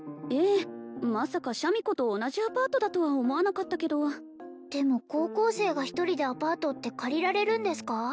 ええまさかシャミ子と同じアパートだとは思わなかったけどでも高校生が１人でアパートって借りられるんですか？